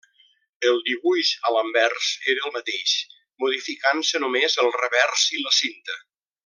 El dibuix a l'anvers era el mateix, modificant-se només el revers i la cinta.